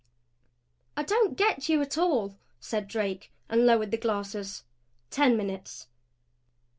"I don't get you at all," said Drake, and lowered the glasses. Ten minutes.